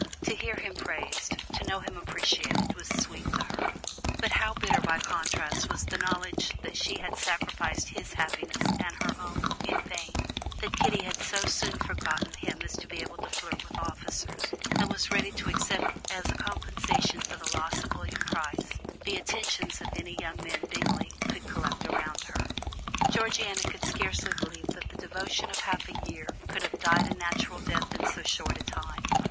To hear him praised, to know him appreciated, was sweet to her; but how bitter by contrast was the knowledge that she had sacrificed his happiness and her own, in vain, that Kitty had so soon forgotten him as to be able to flirt with officers, and was ready to accept as a compensation for the loss of William Price, the attentions of any young men Bingley could collect around her! Georgiana could scarcely believe that the devotion of half a year could have died a natural death in so short a time.